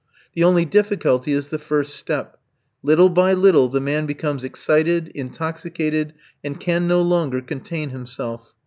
The only difficulty is the first step. Little by little the man becomes excited, intoxicated, and can no longer contain himself.